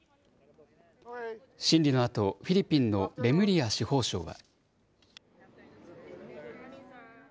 審理のあと、フィリピンのレムリア司法相は。